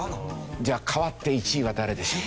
じゃあ代わって１位は誰でしょう？